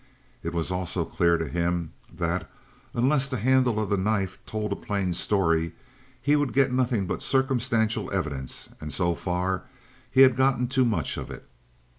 It was also clear to him that, unless the handle of the knife told a plain story, he would get nothing but circumstantial evidence, and so far he had gotten too much of it.